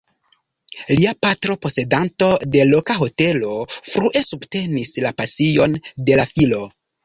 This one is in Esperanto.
Lia patro, posedanto de loka hotelo, frue subtenis la pasion de la filo.